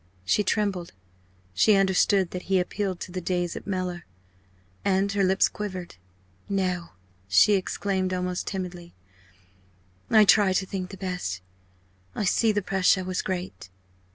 She trembled. She understood that he appealed to the days at Mellor, and her lips quivered. "No," she exclaimed, almost timidly "I try to think the best. I see the pressure was great."